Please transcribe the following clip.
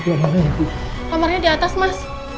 kamarnya di atas mas